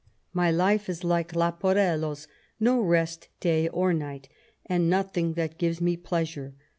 " My life is lil^e Laporello's, no rest day or night, and nothing that gives me pleasure.